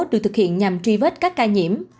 được thực hiện nhằm truy vết các ca nhiễm